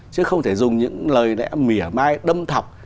chứ không thể dùng những lời mỉa mai đâm thọc